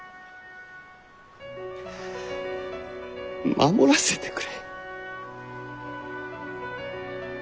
守らせてくれ。